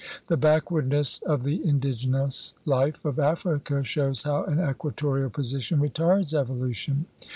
The backwardness of the indigenous life of Africa shows how an equatorial position retards evolution.